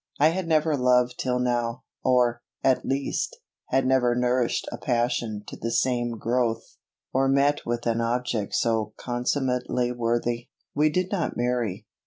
I had never loved till now; or, at least, had never nourished a passion to the same growth, or met with an object so consummately worthy. We did not marry.